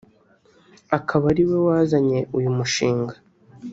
akanaba ari we wazanye uyu mushinga